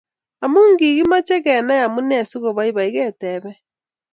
Amu kilimoche Kenai amunee sikoboiboi ketebe